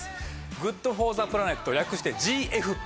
「ＧｏｏｄＦｏｒｔｈｅＰｌａｎｅｔ」略してＧＦＰ。